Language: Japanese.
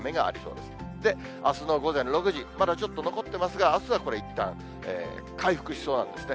で、あすの午前６時、まだちょっと残っていますが、あすはこれいったん回復しそうなんですね。